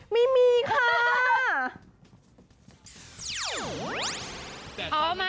ไม่มีค่ะ